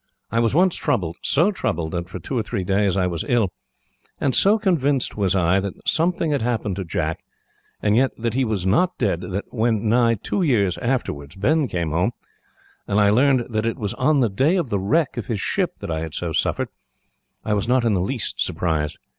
I was once troubled so troubled, that, for two or three days, I was ill and so convinced was I that something had happened to Jack, and yet that he was not dead, that when, nigh two years afterwards, Ben came home, and I learned that it was on the day of the wreck of his ship that I had so suffered, I was not in the least surprised.